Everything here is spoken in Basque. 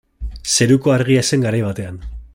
Zeruko Argia zen garai batean.